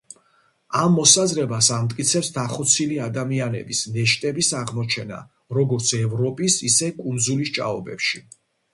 ამ მოსაზრებას ამტკიცებს დახოცილი ადამიანების ნეშტების აღმოჩნა როგორც ევროპის, ისე კუნძულის ჭაობებში.